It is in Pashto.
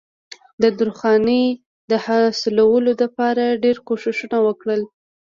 د درخانۍ د حاصلولو د پاره ډېر کوششونه وکړل